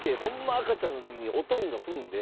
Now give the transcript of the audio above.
赤ちゃんの時におとんが踏んで。